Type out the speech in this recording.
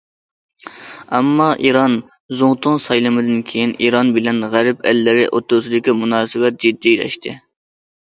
ئەمما، ئىران زۇڭتۇڭ سايلىمىدىن كېيىن، ئىران بىلەن غەرب ئەللىرى ئوتتۇرىسىدىكى مۇناسىۋەت جىددىيلەشتى.